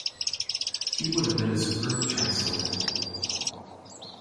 He would have been a superb Chancellor.